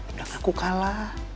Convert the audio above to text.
udah aku kalah